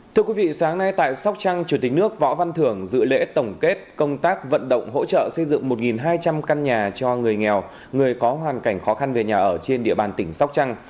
thưa quý vị sáng nay tại sóc trăng chủ tịch nước võ văn thưởng dự lễ tổng kết công tác vận động hỗ trợ xây dựng một hai trăm linh căn nhà cho người nghèo người có hoàn cảnh khó khăn về nhà ở trên địa bàn tỉnh sóc trăng